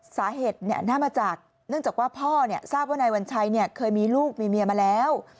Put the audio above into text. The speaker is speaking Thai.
สาเหตุน่าจะมาจากเนื่องจากว่าพ่อทราบว่านายวัญชัยเคยมีลูกมีเมียมาแล้ว